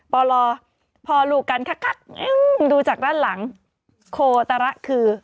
ปลพ่อลูกกันคักดูจากด้านหลังโคตระคือ